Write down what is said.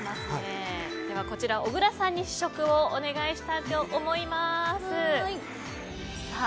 こちら、小倉さんに試食をお願いしたいと思います。